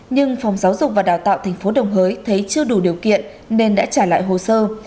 nhưng phòng giáo dục và đào tạo tp đồng hới thấy chưa đủ điều kiện nên đã trả lại hồ sơ